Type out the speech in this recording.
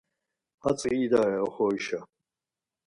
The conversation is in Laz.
Hatzi idare oxorişa.